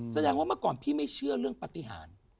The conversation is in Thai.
แสดงว่าเมื่อก่อนพี่ไม่เชื่อเรื่องปฏิหาร